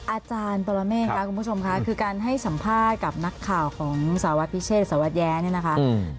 อาจารย์ปรเมฆค่ะคุณผู้ชมค่ะคือการให้สัมภาษณ์กับนักข่าวของสารวัตรพิเชษสารวัตรแย้เนี่ยนะคะ